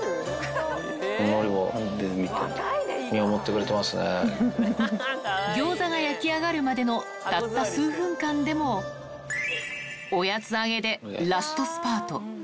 のり、ギョーザが焼き上がるまでのたった数分間でも、おやつあげでラストスパート。